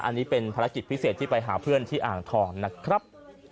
อันนี้เป็นภารกิจพิเศษที่ไปหาเพื่อนที่อ่างทองนะครับ